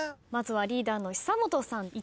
まずはリーダーの久本さん。